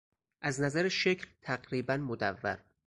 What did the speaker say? از نظر شکل تقریبا مدور